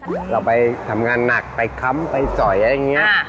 เราไปทำงานหนักไปค้ำไปสอยอะไรอย่างนี้